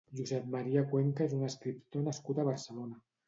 Josep Maria Cuenca és un escriptor nascut a Barcelona.